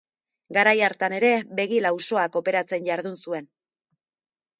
Garai hartan ere, begi-lausoak operatzen jardun zuen.